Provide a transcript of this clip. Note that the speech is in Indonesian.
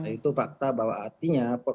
itu fakta bahwa artinya